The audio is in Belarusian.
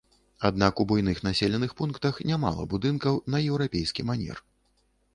Аднак у буйных населеных пунктах нямала будынкаў на еўрапейскі манер.